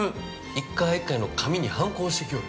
１回１回のかみに反抗してきよる。